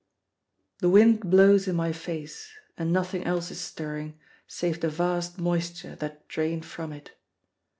The wind blows in my face, and nothing else is stirring save the vast moisture that drain from it.